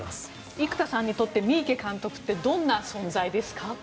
生田さんにとって三池監督ってどんな存在ですか？